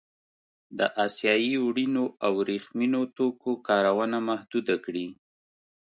د اسیايي وړینو او ورېښمينو توکو کارونه محدوده کړي.